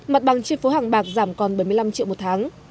mặt bằng trên phố hàng bạc giảm còn bảy mươi năm triệu một tháng